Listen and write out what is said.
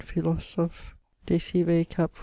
philosoph. de Cive, cap. 14.